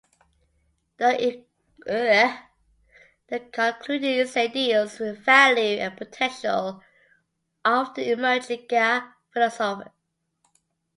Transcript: The concluding essay deals with the value and potential of the emerging Gaia philosophy.